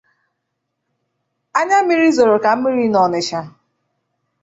Anyammiri zòrò ka mmiri n'Ọnịtsha